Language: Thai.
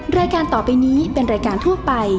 แม่บ้านประจำบาน